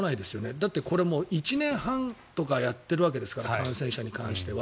だってこれもう１年半とかやってるわけですから感染者に関しては。